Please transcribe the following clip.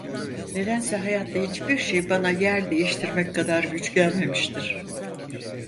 Nedense hayatta hiçbir şey bana yer değiştirmek kadar güç gelmemiştir.